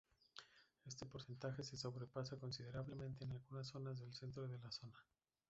Este porcentaje se sobrepasa considerablemente en algunas zonas del centro de la zona.